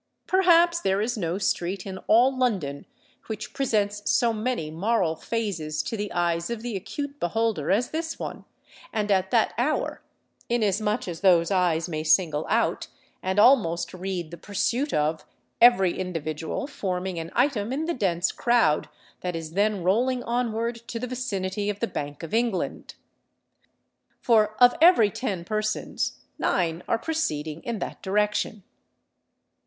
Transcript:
Perhaps there is no street in all London which presents so many moral phases to the eyes of the acute beholder as this one, and at that hour; inasmuch as those eyes may single out, and almost read the pursuit of, every individual forming an item in the dense crowd that is then rolling onward to the vicinity of the Bank of England. For of every ten persons, nine are proceeding in that direction.